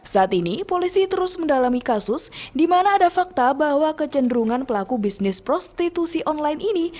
saat ini polisi terus mendalami kasus di mana ada fakta bahwa kecenderungan pelaku bisnis prostitusi online ini